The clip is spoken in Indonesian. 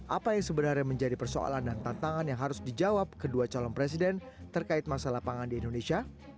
apa yang sebenarnya menjadi persoalan dan tantangan yang harus dijawab kedua calon presiden terkait masalah pangan di indonesia